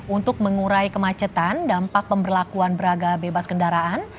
untuk mengurai kemacetan dampak pemberlakuan braga bebas kendaraan